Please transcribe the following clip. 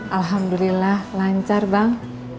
alhamdulillah lancar bang